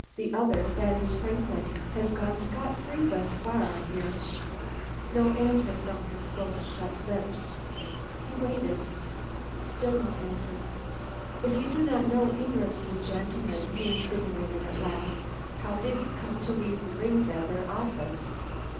"The other, that is Franklin, has gone scot free thus far, I hear." No answer from her close shut lips. He waited. Still no answer. "If you do not know either of these gentlemen," he insinuated at last, "how did you come to leave the rings at their office?"